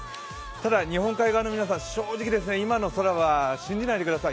ただ、日本海側の皆さん、今の空は信じないでください。